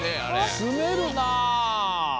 すめるな！